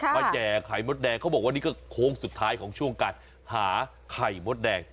แห่ไข่มดแดงเขาบอกว่านี่ก็โค้งสุดท้ายของช่วงการหาไข่มดแดง